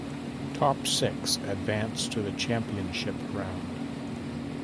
Top six advance to the championship round.